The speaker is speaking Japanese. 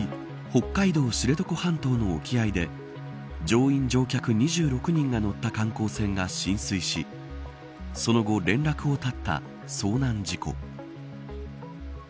北海道知床半島の沖合で乗員乗客２６人が乗った観光船が浸水しその後、連絡を絶った遭難事故。